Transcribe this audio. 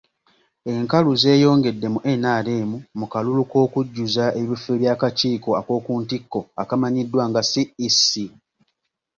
Enkalu zeeyongedde mu NRM mu kalulu k’okujjuza ebifo by’akakiiko ak’okuntikko akamanyiddwa nga CEC.